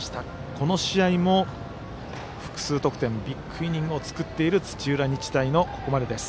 この試合も、複数得点ビッグイニングを作っている、土浦日大のここまで。